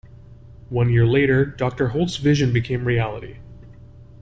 One year later, Doctor Holt's vision became reality.